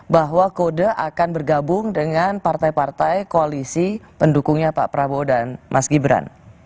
bahwa kode akan bergabung dengan partai partai koalisi pendukungnya pak prabowo dan mas gibran